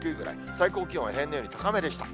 最高気温は平年より高めでした。